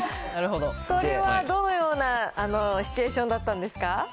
これはどのようなシチュエーションだったんですか？